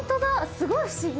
すごい不思議。